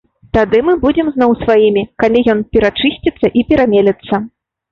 Тады мы будзем зноў сваімі, калі ён перачысціцца і перамелецца.